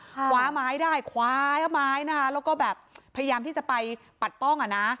คว้าไม้ได้คว้าไม้นะแล้วก็แบบพยายามที่จะไปปัดป้อง